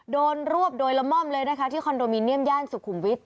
รวบโดยละม่อมเลยนะคะที่คอนโดมิเนียมย่านสุขุมวิทย